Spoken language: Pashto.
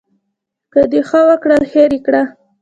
که د ښه وکړل هېر یې کړه .